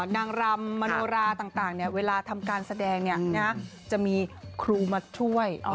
นางรำมโนราต่างเวลาทำการแสดงจะมีครูมาช่วย